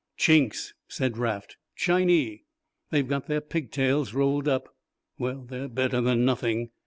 "Chinks," said Raft, "Chinee they've got their pigtails rolled up, well, they're better than nothing."